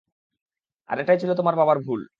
আর এটাই ছিল তোমার বাবার ভুল।